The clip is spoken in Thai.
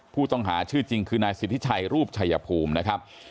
ผู้ต้องหาชื่อจริงคือนายสิทธิชัยรูปชายภูมินะครับ